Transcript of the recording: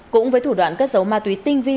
cũng với thủ đoạn cất giấu ma túy tinh vi